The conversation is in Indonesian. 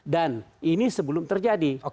dan ini sebelum terjadi